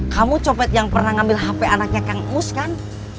kamu copet yang pernah ngambil hp anaknya kang mus kan